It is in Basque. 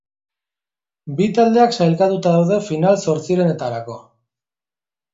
Bi taldeak sailkatuta daude final-zortzirenetarako.